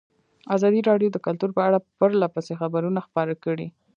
ازادي راډیو د کلتور په اړه پرله پسې خبرونه خپاره کړي.